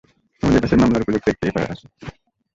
আমাদের কাছে এই মামলার উপযুক্ত একটি এফআইআর আছে।